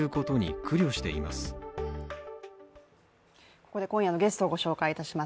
ここで今夜のゲストをご紹介いたします。